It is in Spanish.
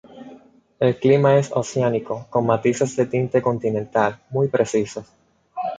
El clima es oceánico con matices de tinte continental muy precisos.